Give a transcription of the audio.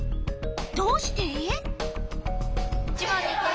どうして？